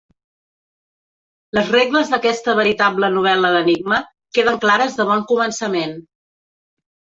Les regles d'aquesta veritable novel·la d'enigma queden clares de bon començament.